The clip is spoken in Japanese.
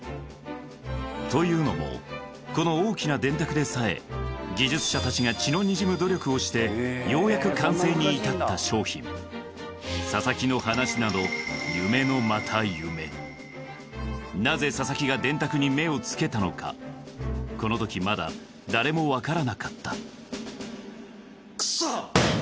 というのもこの大きな電卓でさえ技術者たちが血のにじむ努力をしてようやく完成に至った商品佐々木の話などなぜ佐々木が電卓に目を付けたのかこの時まだ誰も分からなかったくそっ！